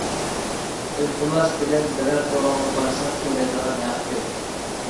ئىلتىماس بىلەن بىرەر ئورۇنغا بارسام تۆلەيدىغان ھەق كۆپ.